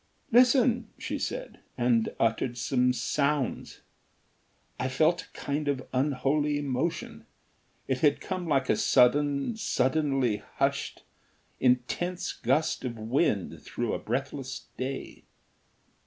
"Listen," she said, and uttered some sounds. I felt a kind of unholy emotion. It had come like a sudden, suddenly hushed, intense gust of wind through a breathless day.